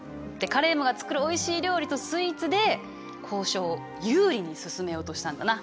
カレームが作るおいしい料理とスイーツで交渉を有利に進めようとしたんだな。